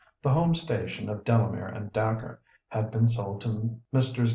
The "home station" of Delamere and Dacre had been sold to Messrs.